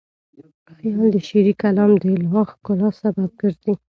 خیال د شعري کلام د لا ښکلا سبب ګرځي.